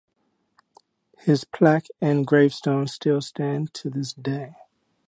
His plaque and gravestone still stand to this day.